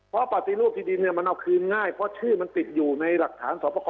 เพราะปฏิรูปที่ดีมันเอาคืนง่ายเพราะชื่อมันติดอยู่ในรักษานสวปก๔๐๑